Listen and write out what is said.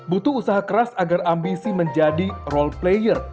butuh usaha keras agar ambisi menjadi role player